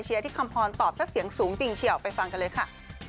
ที่คำพรตอบซะเสียงสูงจริงเฉียวไปฟังกันเลยค่ะ